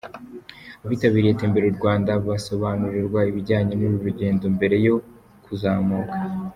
Abitabiriye Tembera u Rwanda basobanurirwaga ibijyanye n'uru rugendo mbere yo kuzamuka.